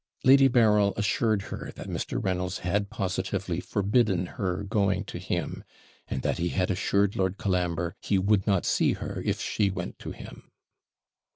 Lady Berryl assured her that Mr. Reynolds had positively forbidden her going to him; and that he had assured Lord Colambre he would not see her if she went to him.